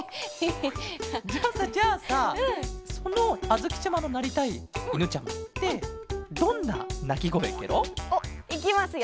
ヘヘッ。じゃあさじゃあさそのあづきちゃまのなりたいいぬちゃまってどんななきごえケロ？おっいきますよ。